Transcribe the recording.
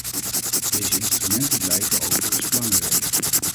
Deze instrumenten blijven overigens belangrijk.